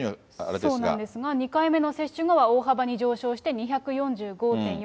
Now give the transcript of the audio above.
そうなんですが、２回目の接種後は大幅に上昇して２４５．４。